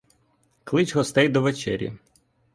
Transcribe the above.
Клич гостей до вечері.